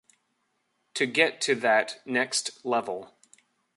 To get to that next level.